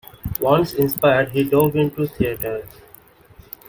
Once inspired, he dove into theatre.